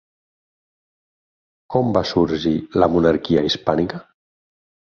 Com va sorgir la Monarquia Hispànica?